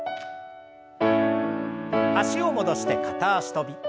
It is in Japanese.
脚を戻して片脚跳び。